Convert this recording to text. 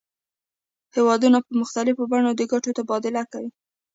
هیوادونه په مختلفو بڼو د ګټو تبادله کوي